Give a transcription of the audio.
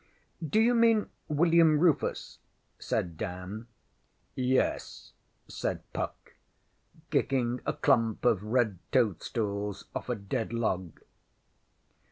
ŌĆÖ ŌĆśDŌĆÖyou mean William Rufus? ŌĆÖ said Dan. ŌĆśYes, ŌĆÖ said Puck, kicking a clump of red toad stools off a dead log.